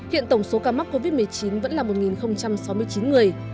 hiện tổng số ca mắc covid một mươi chín vẫn là một sáu mươi chín người